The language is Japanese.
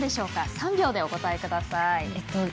３秒でお答えください。